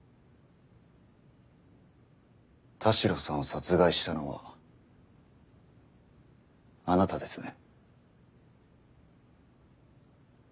田代さんを殺害したのはあなたですね？